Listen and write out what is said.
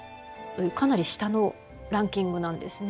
かなり下のランキングなんですね。